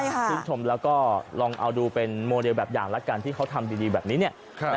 ชื่นชมแล้วก็ลองเอาดูเป็นโมเดลแบบอย่างละกันที่เขาทำดีแบบนี้เนี่ย